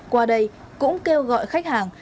qua đây cũng kêu gọi khách hàng